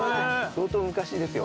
相当昔ですよ。